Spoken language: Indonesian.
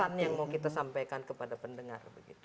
kesan yang mau kita sampaikan kepada pendengar begitu